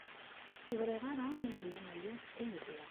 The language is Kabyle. Ur ẓriɣ ara ma yella aya d tayri.